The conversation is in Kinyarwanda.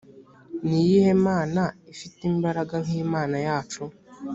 ni iyihe mana ifite imbaraga nk imana yacu